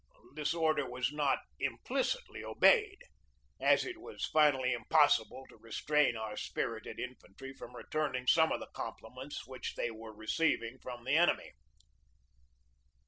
This order was not implicitly obeyed, as 272 GEORGE DEWEY it was finally impossible to restrain our spirited in fantry from returning some of the compliments which they were receiving from the enemy.